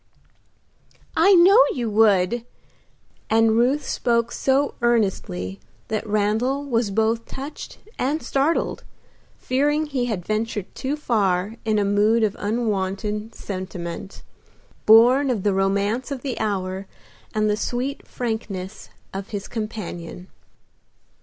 "I know you would!" and Ruth spoke so earnestly that Randal was both touched and startled, fearing he had ventured too far in a mood of unwonted sentiment, born of the romance of the hour and the sweet frankness of his companion.